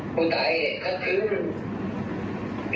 ผู้ตายคัดคืน